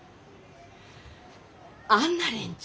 あんな連中！